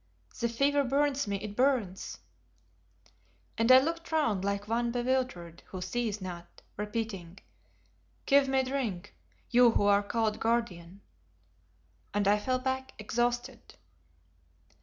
The fever burns me, it burns," and I looked round like one bewildered who sees not, repeating, "Give me drink, you who are called Guardian," and I fell back exhausted.